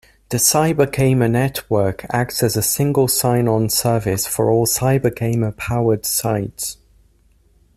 The CyberGamer Network acts as a single-sign on service for all CyberGamer-powered sites.